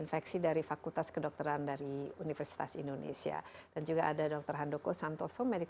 mencernahkan di ilmu wajah alta watilis